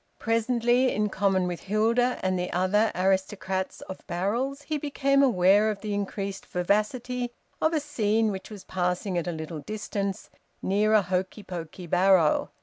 Presently, in common with Hilda and the other aristocrats of barrels, he became aware of the increased vivacity of a scene which was passing at a little distance, near a hokey pokey barrow.